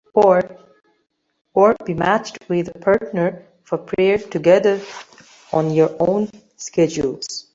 Or, be matched with a partner for prayer together on your own schedules.